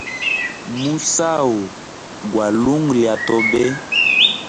Musau gwa lungu lya tobe.